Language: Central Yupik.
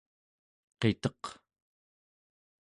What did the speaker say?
qiteq